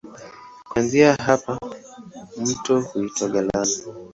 Kuanzia hapa mto huitwa Galana.